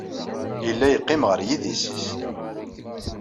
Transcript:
Yella yeqqim ɣer yidis-is.